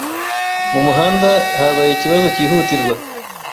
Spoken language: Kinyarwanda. Mu muhanda habaye ikibazo cyihutirwa.